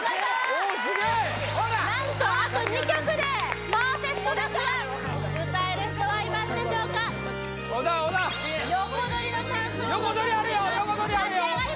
おおすげえ何とあと２曲でパーフェクトですが歌える人はいますでしょうか小田小田横取りのチャンスも残っています